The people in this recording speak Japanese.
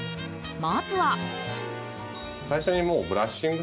まずは。